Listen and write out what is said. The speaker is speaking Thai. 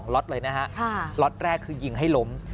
ล็อตเลยนะฮะล็อตแรกคือยิงให้ล้ม